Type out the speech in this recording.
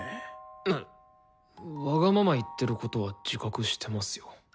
わがまま言ってることは自覚してますよ。